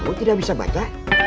kamu tidak bisa baca